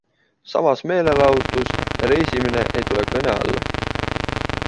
Samas meelelahutus ja reisimine ei tule kõne alla.